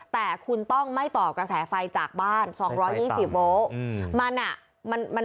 แต่คุณต้องไม่ต่อกระแสไฟจากบ้าน๒๒๐โวลต์